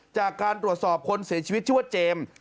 จากการตรวจสอบคนเสียชีวิตชื่อว่าเจมส์